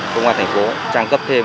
công an thành phố trang cấp thêm